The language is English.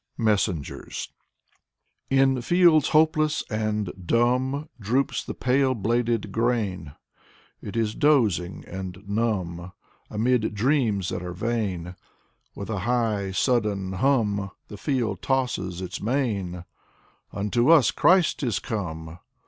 138 Audrey Bely 139 MESSENGERS In fields hopeless and dumb Droops the pale bladed grain; It is dozing and numb Amid dreams that are vain. ••• With a high sudden hum The field tosses its mane: " Unto us Christ is come!